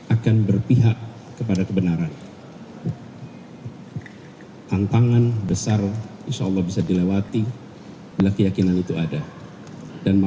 akan berpihak kepada kebenaran tantangan besar insyaallah bisa dilewati belah keyakinan itu ada dan